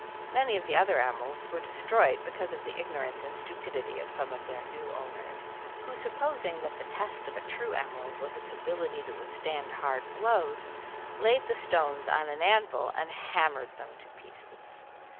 Many of the other emeralds were destroyed because of the ignorance and stupidity of some of their new owners, who, supposing that the test of a true emerald was its ability to withstand hard blows, laid the stones on an anvil and hammered them to pieces.